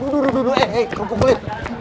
duru duru eh eh kerupuk kulit